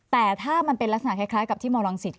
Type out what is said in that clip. แต่ถ้ามันเป็นลักษณะคล้ายกับที่มรังสิต